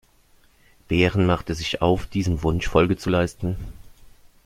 Beren machte sich auf, diesem Wunsch Folge zu leisten.